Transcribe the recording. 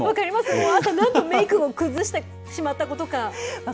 もう、朝、何度、メークを崩してしまったことか。